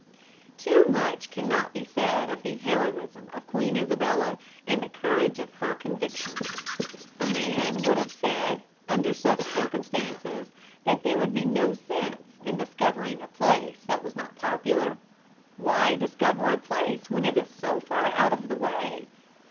Too much cannot be said of the heroism of Queen Isabella and the courage of her convictions. A man would have said, under such circumstances, that there would be no sense in discovering a place that was not popular. Why discover a place when it is so far out of the way?